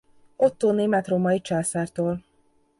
Ottó német-római császártól.